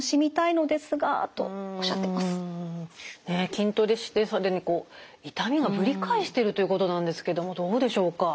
筋トレして更に痛みがぶり返してるということなんですけどもどうでしょうか？